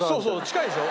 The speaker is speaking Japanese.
近いでしょ？